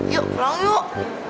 yuk pulang yuk